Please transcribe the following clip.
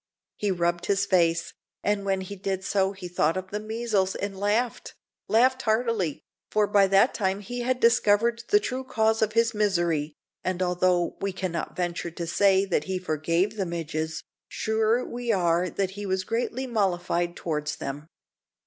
He rubbed his face, and when he did so he thought of the measles and laughed laughed heartily, for by that time he had discovered the true cause of his misery; and although we cannot venture to say that he forgave the midges, sure we are that he was greatly mollified towards them.